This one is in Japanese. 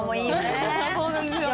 そうなんですよね。